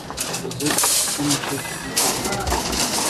ارزښت کوم څه چې تاسو ترلاسه کوئ.